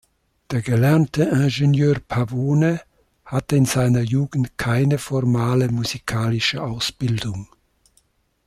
Der gelernte Ingenieur Pavone hatte in seiner Jugend keine formale musikalische Ausbildung.